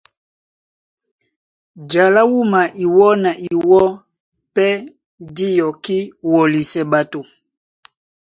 Ja lá wúma iwɔ́ na iwɔ́ pɛ́ dí yɔkí wɔlisɛ ɓato .